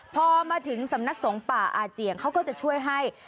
พอมาถึงสำนักสงฆ์ป่าอาเจียงเขาก็จะช่วยให้